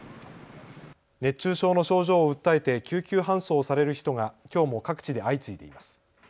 熱中症の症状を訴えて救急搬送される人がきょうも各地で相次いでいます。